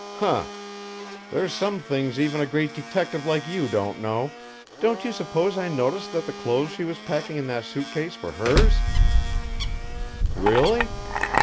"Huh! There're some things even a great detective like you don't know. Don't you suppose I noticed that the clothes she was packing in that suit case were hers?" "Really?"